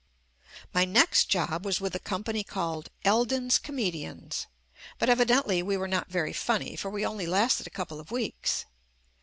My next job was with a company called, "Eldon's Comedians/' but evidently we were not very funny, for we only lasted a couple of weeks.